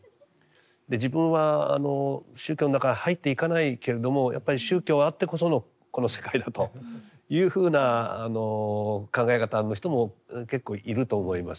自分は宗教の中に入っていかないけれどもやっぱり宗教あってこそのこの世界だというふうな考え方の人も結構いると思います。